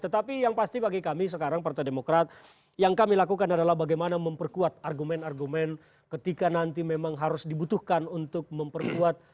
tetapi yang pasti bagi kami sekarang partai demokrat yang kami lakukan adalah bagaimana memperkuat argumen argumen ketika nanti memang harus dibutuhkan untuk memperkuat